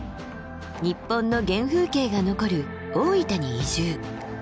日本の原風景が残る大分に移住。